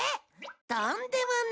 とんでもない。